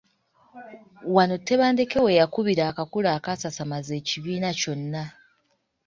Wano Tebandeke we yakubira akakule akaasasamaza ekibiina kyonna.